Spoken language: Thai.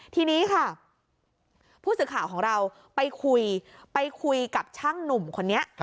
ทีนี้ค่ะผู้สื่อข่าวของเราไปคุยไปคุยกับช่างหนุ่มคนนี้